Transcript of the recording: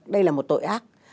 đây là một tội ác